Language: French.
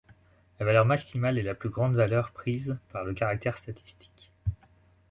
La valeur maximale est la plus grande valeur prise par le caractère statistique.